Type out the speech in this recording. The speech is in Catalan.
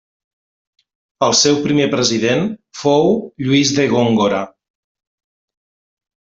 El seu primer president fou Lluís de Góngora.